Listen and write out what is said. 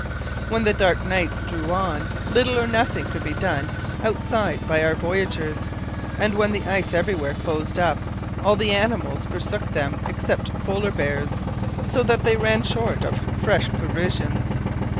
When the dark nights drew on, little or nothing could be done outside by our voyagers, and when the ice everywhere closed up, all the animals forsook them except polar bears, so that they ran short of fresh provisions.